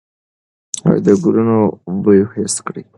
د ګلونو بوی حس کړئ.